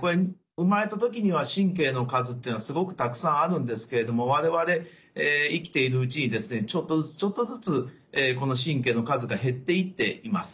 これ生まれた時には神経の数っていうのはすごくたくさんあるんですけれども我々生きているうちにですねちょっとずつちょっとずつこの神経の数が減っていっています。